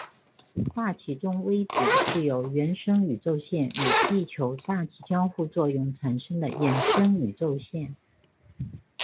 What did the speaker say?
大气中微子是由原生宇宙线与地球大气交互作用产生的衍生宇宙线。